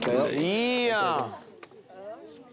いいやん。